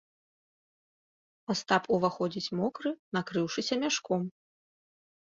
Астап уваходзіць мокры, накрыўшыся мяшком.